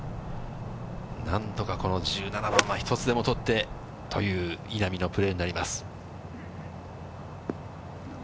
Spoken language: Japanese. なんとかこの１７番は一つでも取ってという稲見のプレーになりま